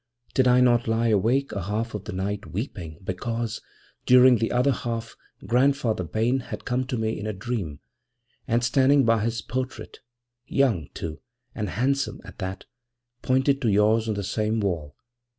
Did I not lie awake a half of the night weeping because, during the other half, Grandfather Bayne had come to me in a dream, and standing by his portrait young, too, and handsome as that pointed to yours on the same wall?